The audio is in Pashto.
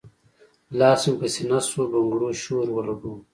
لاس مې پۀ سينه شو بنګړو شور اولګوو